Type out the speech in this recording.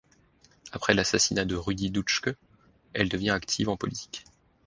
Après l'assassinat de Rudi Dutschke, elle devient active en politique.